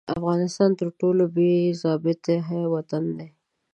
افغانستان تر ټولو بې ضابطې وطن دي.